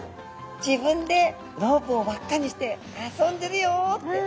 自分でロープを輪っかにして遊んでるよって。